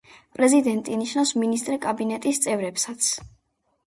პრეზიდენტი ნიშნავს მინისტრთა კაბინეტის წევრებსაც.